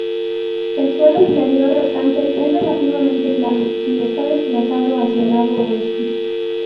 El suelo interior restante es relativamente plano, y está desplazado hacia el lado oeste.